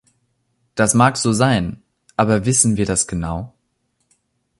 Das mag so sein, aber wissen wir das genau?